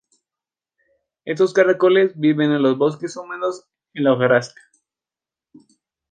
Estos caracoles viven en los bosques húmedos en la hojarasca.